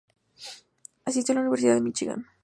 Asistió a la Universidad de Míchigan.